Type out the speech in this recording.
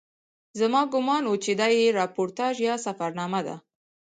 زما ګومان و چې دا یې راپورتاژ یا سفرنامه ده.